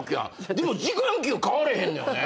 でも時間給変われへんのよね。